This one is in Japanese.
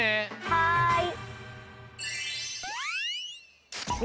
はい！